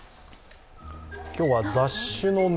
今日は雑種の猫。